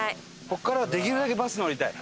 ここからはできるだけバス乗りたい。